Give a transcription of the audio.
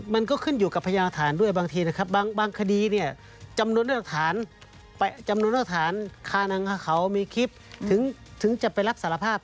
มันก็ขึ้นอยูกับพยางอาธารด้วยบางทีนะครับบางคดีหรือนี่จำนวนออกฐานุคลิบถึงจะไปรับสารภาพ